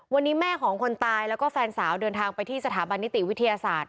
วันนี้แม่ของคนตายแล้วก็แฟนสาวเดินทางไปที่สถาบันนิติวิทยาศาสตร์